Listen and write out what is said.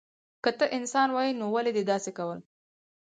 که ته انسان وای نو ولی دی داسی کول